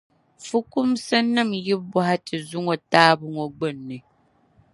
Fukumsinim’ yi bɔhi ti zuŋɔ taabu ŋɔ gbinni.